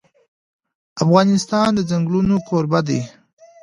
افغانستان د چنګلونه کوربه دی.